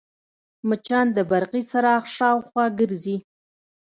مچان د برقي څراغ شاوخوا ګرځي